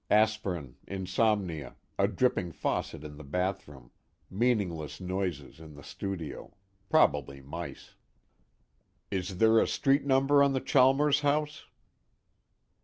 Aspirin, insomnia, a dripping faucet in the bathroom, meaningless noises in the studio probably mice. "Is there a street number on the Chalmers house?"